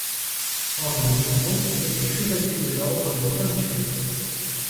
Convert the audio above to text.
Henri de Bourbon était chevalier de l'Ordre de Saint-Michel.